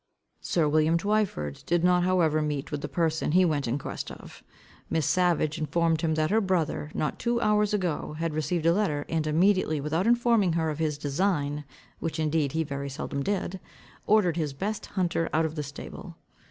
Sir William Twyford did not however meet with the person he went in quest of. Miss Savage informed him, that her brother, not two hours ago, had received a letter, and immediately, without informing her of his design, which indeed he very seldom did, ordered his best hunter out of the stable.